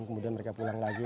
kemudian mereka pulang lagi